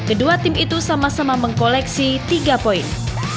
kedua tim itu sama sama mengkoleksi tiga poin